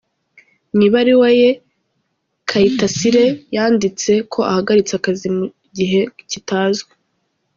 Mu ibaruwa ye, Kayitasire yanditse ko ahagaritse akazi mu gihe kitazwi.